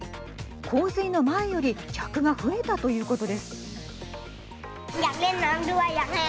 洪水の前より客が増えたということです。